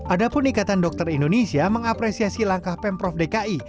adapun ikatan dokter indonesia mengapresiasi langkah pemprov dki